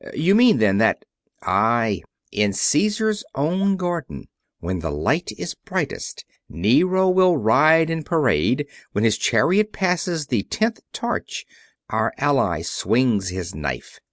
You mean, then, that...?" "Aye. In Caesar's own garden. When the light is brightest Nero will ride in parade. When his chariot passes the tenth torch our ally swings his knife.